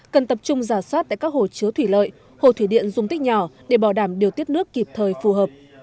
cần tập trung giả soát tại các hồ chứa thủy lợi hồ thủy điện dùng tích nhỏ để bảo đảm điều tiết nước kịp thời phù hợp